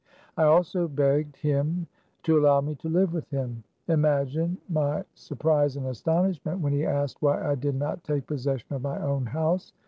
I also begged him to allow me to live with him. Imagine my sur prise and astonishment when he asked why I did not take possession of my own house.